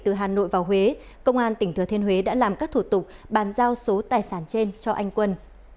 từ hà nội vào huế công an tỉnh thừa thiên huế đã làm các thủ tục bàn giao số tài sản trên cho anh quân